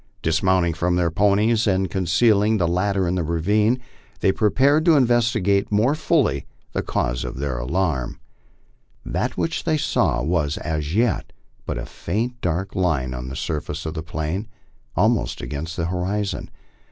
Dismounting from their ponies and concealing the latter in a ravine, they prepared to investigate more fully the cause of their alarm. That which they saw was as yet but a faint dark line on the surface of the plain, almost against the horizon.